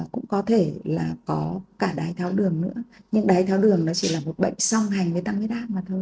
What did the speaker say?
cũng có thể là có cả đáy thao đường nữa nhưng đáy thao đường chỉ là một bệnh song hành với tăng nguyệt áp mà thôi